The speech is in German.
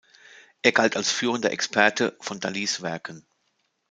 Er galt als führender Experte von Dalís Werken.